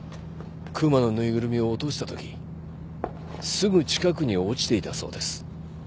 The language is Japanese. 熊のぬいぐるみを落とした時すぐ近くに落ちていたそうです